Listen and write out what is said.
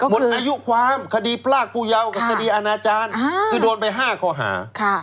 หมดอายุความคดีพรากผู้เยาว์กับคดีอาณาจารย์คือโดนไป๕ข้อหา